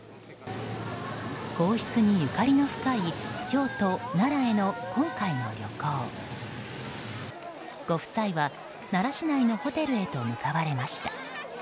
皇室にゆかりの深い京都・奈良への今回の旅行。ご夫妻は奈良市内のホテルへと向かわれました。